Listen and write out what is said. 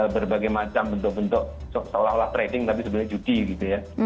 berbagai macam bentuk bentuk seolah olah trading tapi sebenarnya judi gitu ya